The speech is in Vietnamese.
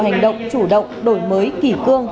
hành động chủ động đổi mới kỷ cương